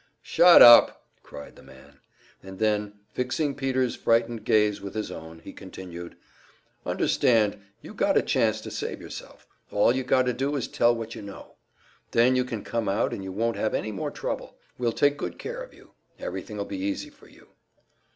"Shut up!" cried the man. And then, fixing Peter's frightened gaze with his own, he continued, "Understand, you got a chance to save yourself. All you got to do is to tell what you know. Then you can come out and you won't have any more trouble. We'll take good care of you; everything'll be easy for you."